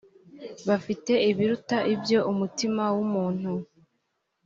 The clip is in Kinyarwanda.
bafite ibiruta ibyo umutima w’umuntu